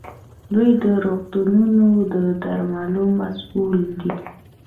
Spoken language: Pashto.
دوی د روغتونونو او درملو مسوول دي.